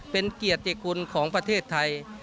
เป็นเกียรติคุณของประเทศไทย